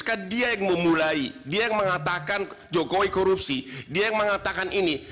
ketika dia yang memulai dia yang mengatakan jokowi korupsi dia yang mengatakan ini